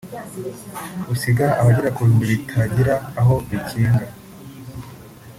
usiga abagera ku bihumbi batagira aho bikinga